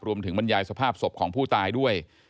บรรยายสภาพศพของผู้ตายด้วย